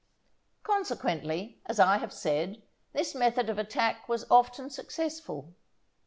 Consequently, as I have said, this method of attack was often successful.